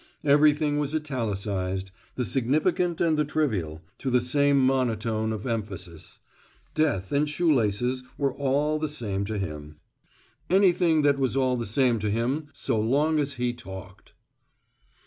Everything was italicized, the significant and the trivial, to the same monotone of emphasis. Death and shoe laces were all the same to him. Anything was all the same to him so long as he talked.